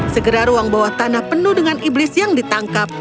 segera ruang bawah tanah penuh dengan iblis yang ditangkap